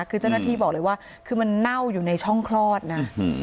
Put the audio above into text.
คือเจ้าหน้าที่บอกเลยว่าคือมันเน่าอยู่ในช่องคลอดนะ